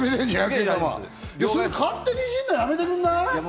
勝手にいじるのやめてくれない？